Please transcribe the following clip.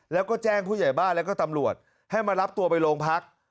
แล้วก็แจ้งผู้ใหญ่บ้านแล้วก็ตำรวจให้มารับตัวไปโรงพัก